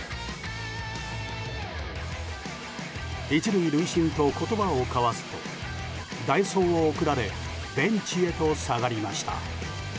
１塁塁審と言葉を交わすと代走を送られベンチへと下がりました。